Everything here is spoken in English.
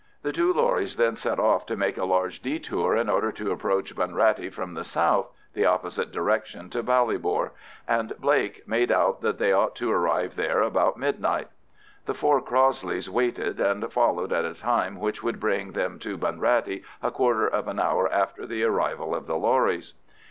The two lorries then set off to make a large detour in order to approach Bunrattey from the south (the opposite direction to Ballybor), and Blake made out that they ought to arrive there about midnight. The four Crossleys waited and followed at a time which should bring them to Bunrattey a quarter of an hour after the arrival of the lorries.